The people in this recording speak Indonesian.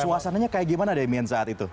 suasana nya kayak gimana demian saat itu